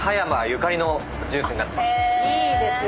いいですね。